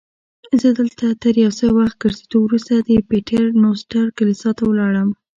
زه دلته تر یو څه وخت ګرځېدو وروسته د پیټر نوسټر کلیسا ته ولاړم.